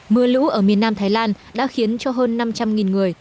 mưa lũ ở miền nam thái lan đã khiến cho hơn năm trăm linh người